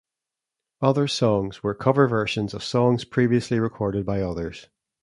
Other songs were cover versions of songs previously recorded by others.